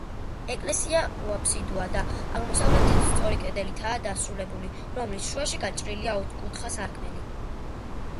ეკლესია უაფსიდოა და აღმოსავლეთით სწორი კედლითაა დასრულებული, რომლის შუაში გაჭრილია ოთხკუთხა სარკმელი.